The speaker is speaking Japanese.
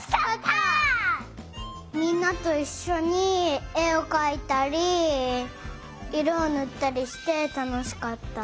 みんなといっしょにえをかいたりいろをぬったりしてたのしかった。